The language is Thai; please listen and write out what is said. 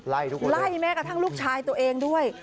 ไล่ทุกคนเลยไล่แม้กระทั่งลูกชายตัวเองด้วย